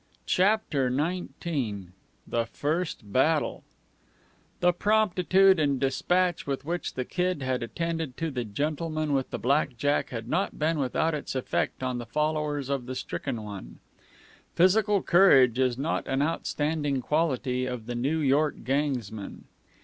CHAPTER XIX THE FIRST BATTLE The promptitude and despatch with which the Kid had attended to the gentleman with the black jack had not been without its effect on the followers of the stricken one. Physical courage is not an outstanding quality of the New York gangsman.